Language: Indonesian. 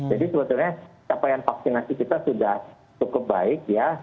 jadi sebetulnya capaian vaksinasi kita sudah cukup baik ya